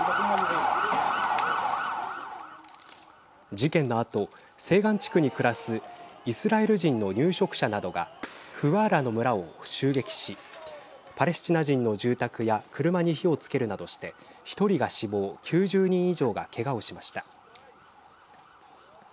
事件のあと、西岸地区に暮らすイスラエル人の入植者などがフワーラの村を襲撃しパレスチナ人の住宅や車に火をつけるなどして１人が死亡９０人以上がけがをしました。